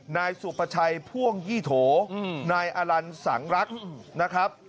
นายสุประชัยพ่วงยี่โถนายอลันสังรักนะครับ